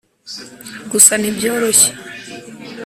gusa ntibyoroshye